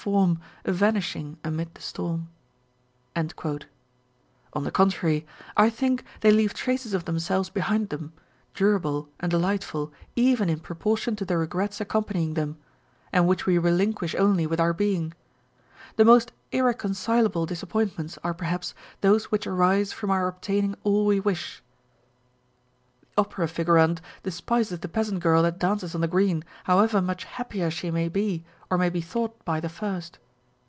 form, Evanishing amid the storm. On the contrary, I think they leave traces of themselves * i.e., in 1824.â€" Exk 2 F ( 43 4 On Novelty and Familiarity. behind them, durable and delightful even in proportion to the regrets accompanying them, and which we relinquish only with our being. The most irreconcilable disap pointments are perhaps, those which arise from our obtaining all we wish. The opera figurante despises the peasant girl that lances on the green, however much happier she may be or may be thought by the first.